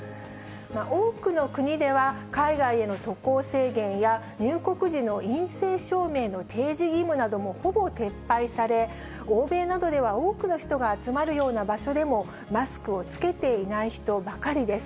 多くの国では、海外への渡航制限や入国時の陰性証明の提示義務などもほぼ撤廃され、欧米などでは多くの人が集まるような場所でも、マスクを着けていない人ばかりです。